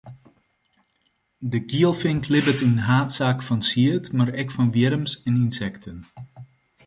De gielfink libbet yn haadsaak fan sied, mar ek fan wjirms en ynsekten.